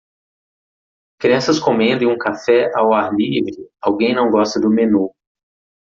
Crianças comendo em um café ao ar livre alguém não gosta do menu.